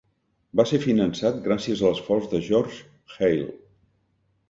Va ser finançat gràcies a l'esforç de George Hale.